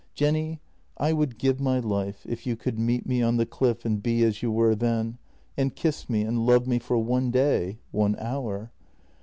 Jenny, I would give my life if you could meet me on the cliff and be as you were then, and kiss me and love me for one day, one hour.